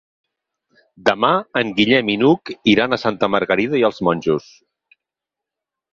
Demà en Guillem i n'Hug iran a Santa Margarida i els Monjos.